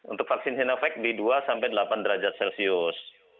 untuk vaksin sinovac di dua sampai delapan derajat celcius